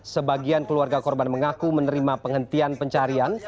sebagian keluarga korban mengaku menerima penghentian pencarian